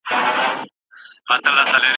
ایا څېړونکی باید د متن کمزورۍ وښيي؟